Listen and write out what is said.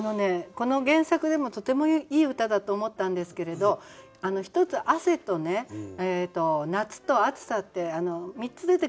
この原作でもとてもいい歌だと思ったんですけれど一つ「汗」とね「夏」と「暑さ」って３つ出てくるんですね。